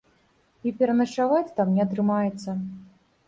І пераначаваць там не атрымаецца.